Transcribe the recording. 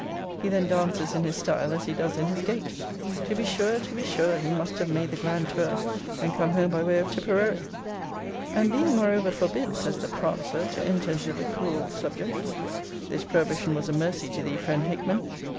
He then dances in his style, as he does in his gait! To be sure, to be sure, he must have made the grand tour, and come home by way of Tipperary. 'And being moreover forbid,' says the prancer, 'to enter into the cruel subject.' This prohibition was a mercy to thee, friend Hickman!